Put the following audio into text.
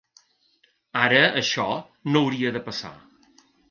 Ara, això, no hauria de passar.